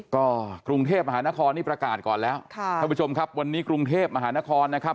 ก็กรุงเทพมหานครนี่ประกาศก่อนแล้วท่านผู้ชมครับวันนี้กรุงเทพมหานครนะครับ